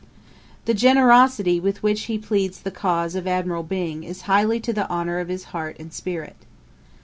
] The generosity with which he pleads the cause of Admiral Byng is highly to the honour of his heart and spirit.